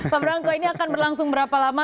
pak brangko ini akan berlangsung berapa lama